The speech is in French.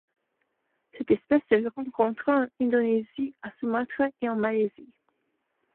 Cette espèce se rencontre en Indonésie à Sumatra et en Malaisie.